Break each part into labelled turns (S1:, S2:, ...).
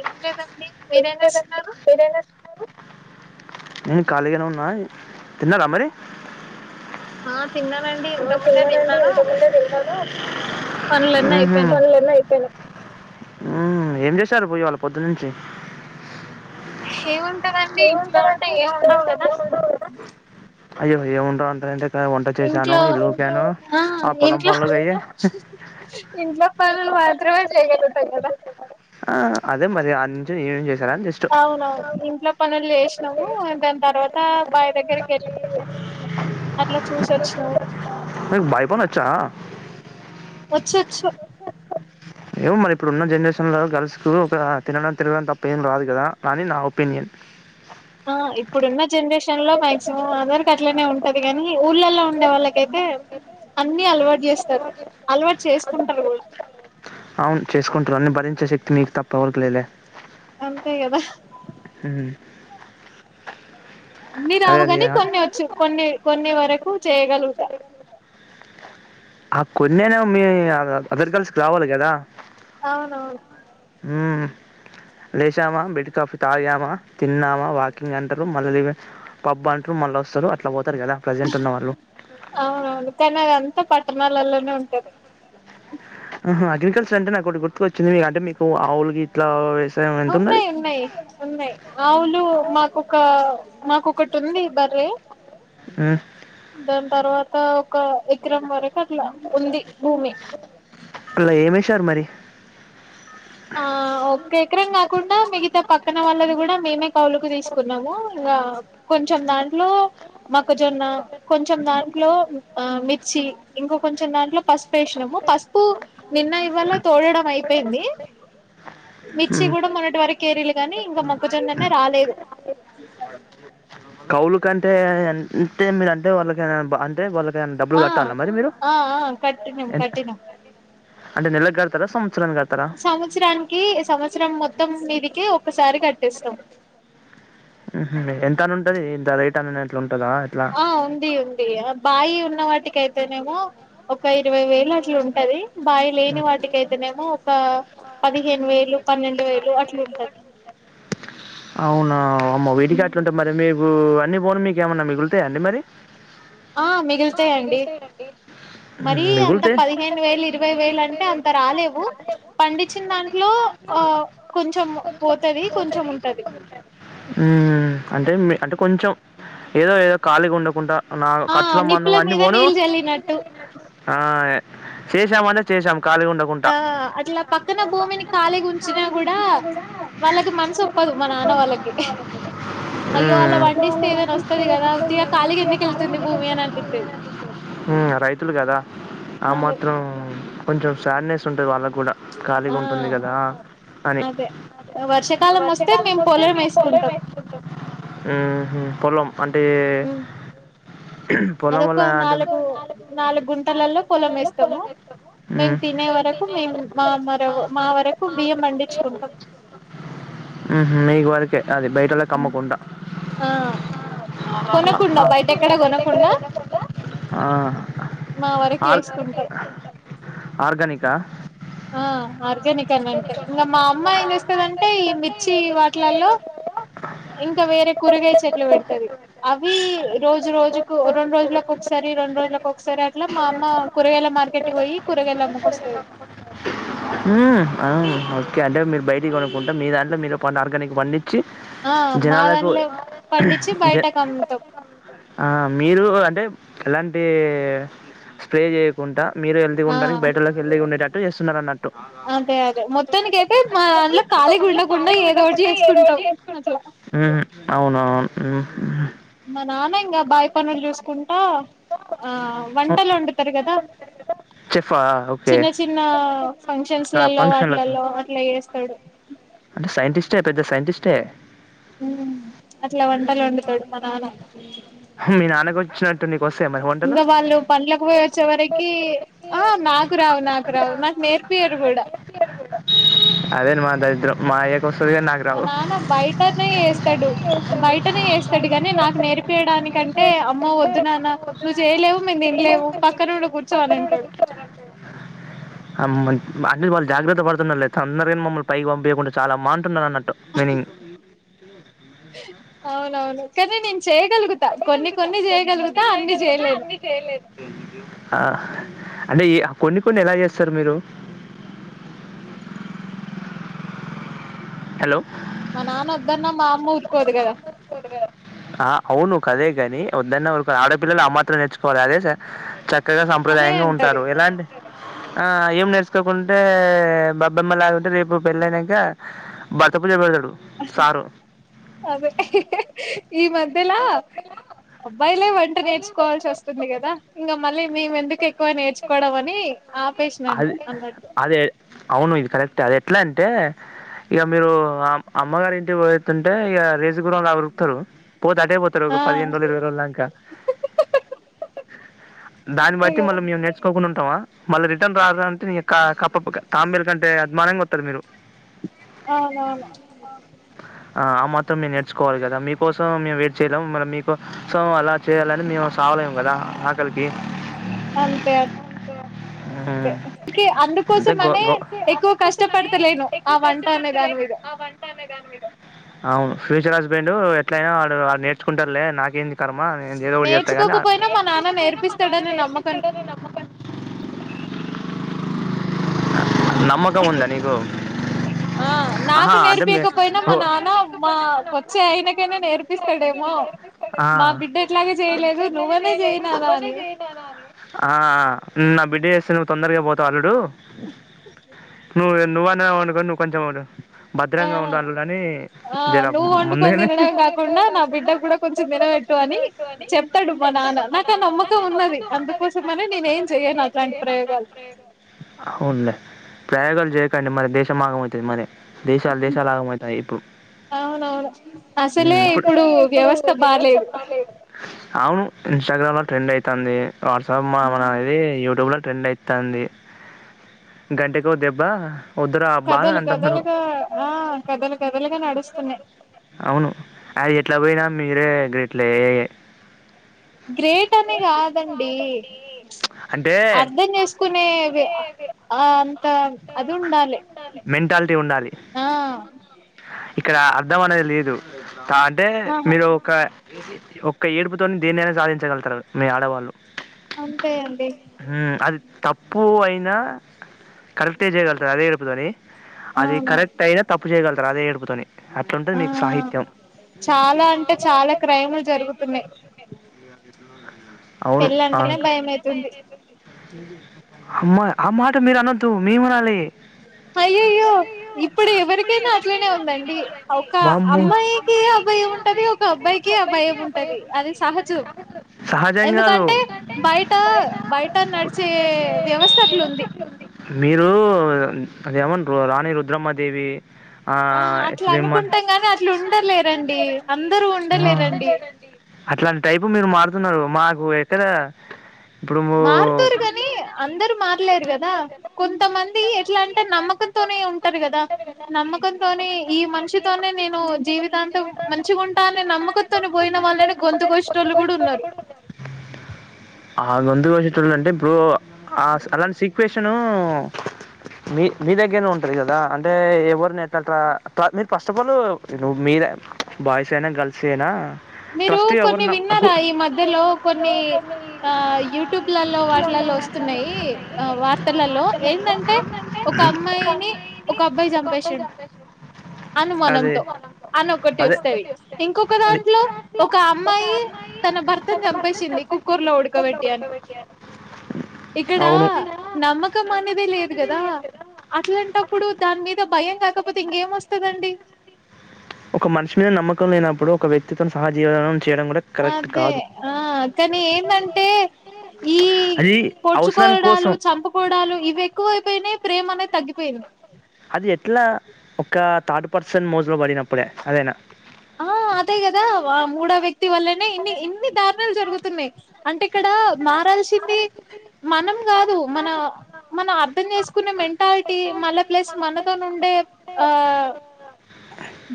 S1: ఏం లేదండి మీరేం చేస్తున్నారు,
S2: నేను ఖాళీగానే ఉన్నా తిన్నారా మరి
S1: ఆ తిన్నానండి ఇంత
S2: ఆ
S1: ముందే
S2: తిన్నానండి
S1: తిన్నాను
S2: ఎంత ముందే తిన్నాను
S1: పనులన్నీ అయిపోయినాయి
S2: పనులన్నీ అయిపోయిన్నాయి ఆ ఏం చేశారు పోయి ఇయ్యాల పొద్దున్నుంచి
S1: ఏమింటదండి ఇంట్లో ఉంటే ఏం ఉండవు కదా
S2: అయ్యో ఏం ఉండవ్ అంటారు ఎంటి అండి వంట చేసాను
S1: ఇంట్లో
S2: ఇల్లు ఊపాను ఆ పొలం పనులు గా అయి
S1: ఇంట్లో పనులు మాత్రమే చేయగలుగుతాం కదా
S2: ఆ అదే మరి అ నుంచి ఎం చేశారాని జస్ట్
S1: అవునవును ఇంట్లో పనులు చేసినాము దాని తర్వాత బావి దగ్గరికి వెళ్ళి అట్లా చూసి వచ్చినం
S2: బాయి పని వచ్చా
S1: వచ్చు వచ్చు
S2: ఎమో మరి ఇప్పుడు ఉన్న జనరేషన్ లో గర్ల్స్ కు ఒక తినడం తిరగడం తప్ప ఏం రాదు కదా అని నా ఒపీనియన్
S1: ఆ ఇప్పుడున్న జనరేషన్ లో మాక్సిమం ఆందరికి అట్లనే ఉంటది కాని ఊర్లలో ఉండే వాళ్ళకైతే అన్ని అలవాటు చేస్తారు అలవాటు చేసుకుంటారు కూడా
S2: అవును చేసుకుంటారు అన్ని భరించే శక్తి మీకు తప్ప ఎవరికి లేదు లే
S1: అంతేకాదా
S2: హుమ్
S1: అన్ని రావు గాని కొన్ని వచ్చు కొన్ని కొన్ని వరకు చేయగలుగుతా
S2: ఆ కొన్ని అయినా మీ అదర్ గర్ల్స్ కి రావాలి కదా
S1: అవునవును
S2: హుమ్ లేషామా బెడ్ కాఫీ తాగామా తిన్నామా వాకింగ్ అంటారు మళ్ళా పబ్ అంటారు మళ్ళీ వస్తారు అట్లా పో
S1: అవునవును కానీ అదంతా పట్టణాలలోనే ఉంటది
S2: ఆహా అగ్రికల్చర్ అంటే నాకు ఒకటి గుర్తుకొచ్చింది అంటే మీకు ఆవులు గీట్లా
S1: ఉన్నాయి ఉన్నాయి ఉన్నాయి ఆవులు మాకు ఒక ఒకటి ఉంది బరే
S2: హుమ్
S1: దాని తర్వాత ఒక ఎకారం వరకు అట్లా ఉంది భూమి
S2: అట్లా ఏమేశారు మరి
S1: ఆ ఒక ఎకరం కాకుండా మిగతా పక్కన వాళ్ళది కూడా మేమే కౌలుకు తీసుకున్నాము ఇగ కొంచెం దాంట్లో మొక్కజొన్న కొంచెం దాంట్లో ఆ మిర్చి చి ఇంకో కొంచెం దాంట్లో పసుపు వేసినాము పసుపు నిన్న ఇవాళ్ళ తోడడం అయిపోయింది మిర్చి
S2: ఉమ్,
S1: కూడా మొన్నటి వారికి కేరీలు గానీ ఇంకా మొక్కజొన్ననే రాలేదు
S2: కౌలుకంటే అంటే మీరు అంటే వాళ్ళకి అంటే వాళ్ళ దాని డబ్బులు
S1: ఆ
S2: కట్టాల మరి మీరు
S1: ఆ ఆ కట్టినాం
S2: ఎంత
S1: కట్టినాం
S2: అంటే నెలకి కడతారా స
S1: సంవత్సరానికి సంవత్సరం మొత్తం మీదికి ఒక్కసారి కట్టిస్తాం
S2: ఉహుమ్ ఎంత అని ఉంటది ఇంత రేట్ అనీ
S1: ఆ ఉంది ఉంది బాయి ఉన్న వాటికి అయితేనేమో ఒక ఇరవై వేలు అట్లా ఉంటది బావి లేని వాటికి అయితేనేమో ఒక పదిహేను వేలు పన్నెండు వేలు అట్లుంటది
S2: అవునా అమ్మో విడి కాట్లుంటా మరి మీకు అన్ని పోను మీకేమన్నా మిగులుతాయా అండి మరి
S1: హా మిగిలితాయండి మరి
S2: హ్మ్.
S1: అంత
S2: మిగులుతే
S1: పదిహేను వేలు ఇరవై వేలు అంటే అంత రాలేవు పండించిన
S2: బట్
S1: దాంట్లో
S2: వచ్చిన దానికి
S1: ఆ కొంచెం పోతది కొంచెం ఉంటది
S2: ఉమ్ అంటే అంటే కొంచెం ఏదో ఏదో ఖాళీగా ఉండకుండా నా
S1: ఆ
S2: ఖర్చులు
S1: నిప్పుల
S2: మందు అన్ని
S1: మీద
S2: పోను
S1: నీళ్ళు చల్లినట్టు
S2: ఆ చేశామంటే చేశాం ఖాళీగా ఉండకుండా
S1: ఇత్తన భూమిని కాలీగా ఉంచినా కూడా వాళ్ళకి మనసు ఒప్పదు మా నాన్న వాళ్ళకి అయ్యో అలా పండిస్తే ఏదైనా వస్తది కదా ఉతిగా కాలిగా ఎందుకు వెళ్తుంది భూమి అని అనిపిస్తది
S2: ఉమ్ రైతులు కదా ఆ
S1: అదే
S2: మాత్రం కొంచెం శాడ్ నెస్ ఉంటది వాళ్ళ కూడా ఖాళీగా
S1: ఆ
S2: ఉంటుంది కదా అని
S1: అదే
S2: వర్షకాలం వస్తె మేము పొలం వేసుకుంటాం అంటే పొలం
S1: అదొక
S2: వల్ల అంటే
S1: నాలుగు నాలుగు గుంటలలో
S2: వింటర్
S1: పొలం
S2: లలో
S1: వేస్తాము
S2: పొల్లం వెసుకో
S1: మేము తినే వరకు మేము మా మర మా వరకు బియ్యం పండించుకుంటాం
S2: ఉహుమ్ నె అదే బయట వాళ్ళకి అమ్మకుండా
S1: ఆ కొనకుండా బయట ఎక్కడ కొనకుండా
S2: ఆ
S1: మా వరకు
S2: ఆర్
S1: వేసుకుంటాం
S2: ఆర్గనికా
S1: ఆ ఆర్గానిక్ అని అంటే ఇంకా మా అమ్మ ఏం చేస్తదంటే ఈ మిర్చి వా ట్లలో ఇంకా వేరే కూరగాయ చెట్లు పెడతది అవి రోజు రోజుకు రెండు రోజులకు ఒకసారి రెండు రోజుల. లకు ఒకసారి అట్ల మా అమ్మ కూరగాయల మార్కెట్ కీ పోయి కూరగాయల అమ్ముకో వస్తంది
S2: ఉమ్ ఆ ఓకే అంటే మీరు బయటి కొనుక్కుంటే మీ దాంట్లో మీరు ప ఆర్గానిక్ పండి చి
S1: ఆ మా
S2: జనాలకు
S1: దానిలో పండించి
S2: జ
S1: బయటకు అమ్ముతాం
S2: ఆ మీరు అంటే ఎలాంటి స్ప్రే చేయకుండా మీరు హెల్దిగా
S1: ఆ
S2: ఉండడానికి బయటలోకి హెల్దిగా ఉండేటట్టు చేస్తున్నారు అన్నట్టు
S1: అదే అదే మొత్తానికి అయితే మా దాంట్లో ఖాళీగా ఉండకుండా ఏదో ఒకటి చేసుకుంటాం అట్లా
S2: ఉమ్ అవునవును ఉమ్
S1: మా నాన్న ఇంకా బావి పనులు చూసుకుంటా ఆ
S2: ఓ
S1: వంటలు వండుతారు కదా
S2: చెఫా? ఓకే.
S1: చిన్న చిన్న ఫంక్షన్స్
S2: ఆ!
S1: లలో
S2: ఫంక్షన్‌లకు.
S1: వాటిలలో అట్లా చేస్తాడు
S2: అంటే సైంటిస్టే పెద్ద సైంటిస్టే
S1: అట్లా వంటలు వండుతాడు మా నాన్న
S2: మీ నాన్నకు వచ్చినట్టు నీకు వస్తే
S1: ఇంకా వాళ్ళు పనులకి పోయి వచ్చే వరకి ఆ నాకురావు నాకురావు నాకు నేర్పి యరు కుడ
S2: అదేన్ మాటా
S1: మా నాన్న బయటనే ఎస్తాడు బయటనే ఎస్తాడు కాగానీ నాకు నేర్పేయడానికి దనికంటే అమ్మ వద్దున్నాన్న నువ్వు చేయలేవు మేము తినలేవు పక్కను కూర్చో అని అంటాడు
S2: అంట వాళ్ళు జాగ్రత్త పడుతున్నారు లేపోతే అందరిక మమ్మల్ని పై పంపయకుండా చాలా బంటున్నారు అన్నట్టు మీనింగ్
S1: అవునవును కదే ని చేయగలుగుతా కొన్ని కొన్ని చేయగలుగుతా అన్ని చేయలేను
S2: అంటే ఈ కొన్ని కొన్ని ఎలా చేస్తారు మీరు హలో
S1: మా నాన్న వద్దన్న మా అమ్మ ఉరుకోదు కదా
S2: ఆ అవును అదే నీ వన్నర ఆడపిల్లలు ఆ మాత్రం నేర్చుకోవాలి అదే స చక్కగా సాంప్రదాయంగా ఉంటారు ఎలాంటి
S1: అ
S2: ఆ ఏం నేర్చుకోకుంటే బాబ్బెమ్మ గాంటే రేపు పెళ్ళ అయినాక భర్త పూజ పెడతడు
S1: అదే ఈ మధ్యలా అబ్బాయిలే వంట నేర్చుకోవాల్సి వస్తుంది కదా ఇంకా మళ్ళీ మేము ఎందుకు ఎక్కువ నేర్చుకోవడం అని ఆపేసినండి
S2: అది
S1: అన్నట్టు
S2: అదే అవును ఇది కరెక్ట్ అది ఎట్లా అంటే ఇక మీరు అమ్మగారు ఇంటి పోయి వస్తుంటే ఇక రేస్ గుర్రంల ఉరుకుతారు పోతే అట్టే పోతారు ఒక
S1: ఆ
S2: పదిహేను రోజు ఇరవై రోజుక దాక దాని బట్
S1: అంతే
S2: అయితే
S1: కదా
S2: మళ్ళీ మేము నేర్చుకోకుండా ఉంటామా మళ్ళ రిటన్ రాద అంటే కప్పప్పగా తాబేల కంటే అసమానంగా వస్తారు మీరు
S1: అవునవును
S2: ఆ ఆ మాత్రం మేము నేర్చుకోవాలి కదా మీకోసం మేము వెయిట్ చేయలేము మీ కోసం అలా చేయాలని మేము పోాల కదా ఆకలికి
S1: అంతే
S2: ఆ
S1: అందుకే అందుకోసం అనే ఎక్కువ కష్టపడతలేను ఆ వంటనే దాని మీద
S2: అవును ఫ్యూచర్ హస్బెండ్ ఎట్లయినా వా వా నేర్చుకుంటారులే నాకేంది క
S1: నేర్చుకోకపోయినా మా నాన్న నేర్పిస్తాడని నమక
S2: నమ్మకం ఉందా నీకు
S1: ఆ నాకు
S2: ఆహా అంటే మీ
S1: నేర్పయకపోయినా మా
S2: ఓ
S1: నాన్న మాకు వచ్చే అయినకైనా నేర్పిస్తాడేమో
S2: ఆ
S1: మా బిడ్డ
S2: ఎక్కువ.
S1: ఎట్లాగ చేయలేదు నువ్వనే చేయనానా అని
S2: ఆ నా బిడ్డ చేస్తే నువ్వు తొందరగా పోతావు అల్లుడు నువ్ నువ్వ న అ నువ్ కొంచెం అదు
S1: ఆ
S2: భద్రంగా ఉండాల అని
S1: ఆ
S2: జర
S1: నువ్వు వండుకొని
S2: ముందుగానే
S1: ట్టు అని చెప్తాడు మా నాన్న నాకు ఆ నమ్మకం ఉన్నది అందుకోసంమని నేను ఏం
S2: కానీ
S1: చెయను అట్లాంటి ప్రయోగాలు
S2: అవునులే ప్రయోగాలు చేయకండి మరి దేశం ఆగమవుతుంది మరి దేశాలు దేశాలు ఆగమవుతాయి ఇప్పు
S1: అవునవును
S2: అసలో ఇప్పుడు వ్యవస్థ బాాలేదు అవును ఇన్స్టాగ్రామ్ లో ట్రెండ్ అవుతుంది వాట్సాప్ మాన అనేది యూట్యూబ్ లో రెం అవుతుంది గంటకి దెబ్బా
S1: కథలు కథలుగా ఆ కథలు కథలుగా
S2: ప్రజలుగా
S1: నడుస్తున్నాయి
S2: నడుస్తున్నారు. అవును అది ఎట్లా పోయినా మీరే గెట్ల ఏ
S1: గ్రేట్ అని కా కాదండి
S2: అంటే
S1: అర్ధం చేసుకునే ఆ అంత అది ఉండాలి
S2: మెంటాలిటీ ఉండాలి
S1: ఆ
S2: ఇక్కడ అర్ధం అనేది లేదు అంటే
S1: ఆహా
S2: మీరు ఒక ఒక ఏడుపుతోని దీనిేనా సాధించగగుతారు మీ ఆడవాళ్ళు
S1: అంతే అండి
S2: హ అది తప్పు అయినా కరెక్టే చేయగలుగుతారు అదే గడుపుతోని అది
S1: అవును
S2: కరెక్ట్ అయినా తప్పు చేయగలుగుతారు అదే గడుపుతోని అట్లాంటది
S1: ఆ
S2: మీకు సాహిత్యం చాలా అంటే చాలా ఫేమ్లు జరుగుతున్నాయి అవును
S1: పెళ్ళి అంటేనే భయం అయితుంది
S2: అమ్మ ఆ మాట మీరు అనొద్దు మేము ఉనాలి
S1: అయ్యో అ్య ఇప్పుడు ఎవరికైనాట్లోనే ఉందండి ఒక
S2: వామ్మో
S1: అమ్మాయికి అబ్బాయి ఉంటది ఒక అబ్బాయికిే ఆ భయం ఉంటది అది సహజం
S2: సహజ
S1: ఎందుకంటే బయట బయట నడిచే వ్యవస్థ అట్లుంది
S2: మీరు అదేమన్నా రాణి రుద్రమ్మ దేవి
S1: ఆ అట్లా అనుకుంటాం గాని అట్లు ఉండలేరండి అందర ఉండలేరండి
S2: అట్లాంటి టైపు మీరు మారుతున్నారు మాకు ఎక్కడ ఇప్పుడు మూ-
S1: మారుతారు కాని అందరు మారలేరు కదా కొంతమంది ఎట్లా అంటే నమ్మకంతో ఉంటారు కదా నమ్మకంతోనే ఈ మనిషితోనే నేను జీవితాంతం మంచిగాగుంటా దని నమ్మకంతోని పోయిన వాళ్ళనే గొంతు గష్ వాళ్ళు కూడా ఉన్నారు
S2: ఆ ముందుగాచ్చ చ అంటే ఇప్పుడు ఆ అలాంటి సీక్వే విను మీ మీ దగ్గరనే ఉంటారు కదా అంటే ఎవరినిట్లా మీరు ఫస్ట్ ఆఫ్ ఆల్ నువ్వు మీ ఇద బాయ్స్ అయినా గర్ల్స్ అయినా
S1: మీరు
S2: ట్రస్ట్ ఎవరు
S1: కొన్ని
S2: నమ్ గు-
S1: విన్నారా ఈ మధ్యలో కొన్ని ఆ యూట్యూబ్లలో వాటిలలో వస్తున్నాయి ఆ వార్తలలో ఏంటంటే ఒక అమ్మాయిని ఒక అబ్బాయి చంపేసిండు
S2: అదే
S1: అనుమానంతో అన్నొక్కటి
S2: అదే అదొకటి.
S1: వస్తంది ఇంకొక
S2: రి-
S1: దాంట్లో ఒక అమ్మాయి తన భర్తను చంపేసింది కుక్కూర్ లో ఉడకబెట్టి అని ఇక్కడా
S2: అవును
S1: నమ్మకం అనేదే లేదు కదా అట్లాంటప్పుడు దాని మీద భయం కాకపోతే ఇంకేమస్తదండి.
S2: ఒక మనిషి మీద నమ్మకం లేనప్పుడు ఒక వ్యక్తిత్వం సహజీవనం చేయడం కూడా కరెక్ట్
S1: అదే
S2: కాదు
S1: ఆ కానీ ఏందంటే ఈ
S2: అది అవసరాని
S1: పొడ్చుకోవడాలు
S2: కోసం
S1: చంపుకోవడాలు ఇవి ఎక్కువయిపోయినాయి ప్రేమ అనేది తగ్గిపోయింది
S2: ఇంకా థర్డ్ పర్సన్ మోజులో పడినప్పుడే అదేనా
S1: ఆ అదే కదా ఆ మూడో వ్యక్తి వల్లనే ఇన్ని ఇన్ని దారుణాలు జరుగుతున్నాయి అంటే ఇక్కడ మారాల్సింది మనం కాదు మన మనం అర్థం చేసుకున్న మెంటాలిటీ మళ ప్లస్ మనతో నుండి ఆ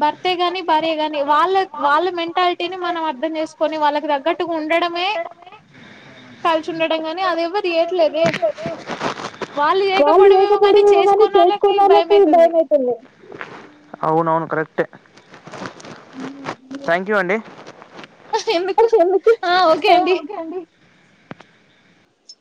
S1: బర్తే గాని టె గాని వాళ్ళ వాళ్ళ మెంటాలిటీని మనం అర్థం చేసుకొని వాళ్ళకి తగ్గట్టుగా ఉండడమే కల్చుండడం కానీ అది ఎవరు చేయట్లేదే వాళ్ళు చేయకపోవడమేమో కాని
S2: చేయకపోవడం ఏమోగానీ
S1: చేసుకోని వాళ్ళకి భయం
S2: చేసుకోన్నళ్లకు
S1: అయితుంది
S2: భయమైతాంది అవునవును కరెక్టే
S1: ఉ
S2: థ్యాంక్ యూ అండి
S1: ఎందుకు ఆ ఓకే అండి